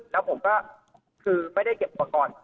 แล้วผมก็คือไม่ได้เก็บประกอบก่อน